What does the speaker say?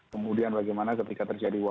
kemudian bagaimana ketika terjadi wabah